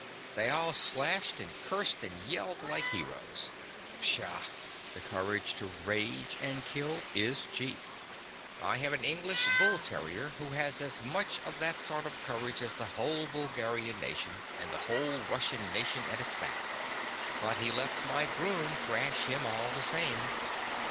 They all slashed and cursed and yelled like heroes. Psha! the courage to rage and kill is cheap. I have an English bull terrier who has as much of that sort of courage as the whole Bulgarian nation, and the whole Russian nation at its back. But he lets my groom thrash him, all the same.